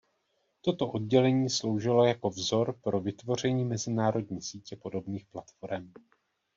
Toto oddělení sloužilo jako vzor pro vytvoření mezinárodní sítě podobných platforem.